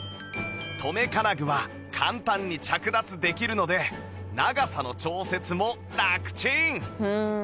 留め金具は簡単に着脱できるので長さの調節もラクチン！